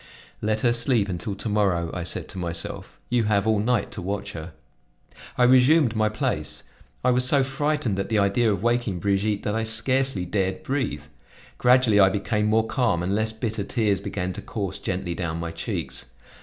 "Let her sleep until to morrow," I said to myself; "you have all night to watch her." I resumed my place; I was so frightened at the idea of waking Brigitte, that I scarcely dared breathe. Gradually I became more calm and less bitter tears began to course gently down my cheeks.